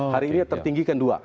hari ini tertinggi kan dua